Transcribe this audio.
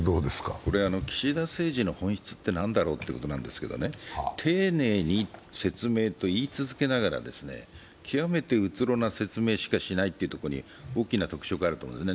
岸田政治の本質って何だろうと思うと丁寧に説明と言い続けながら極めてうつろな説明しかしないというところに大きな特徴があると思います。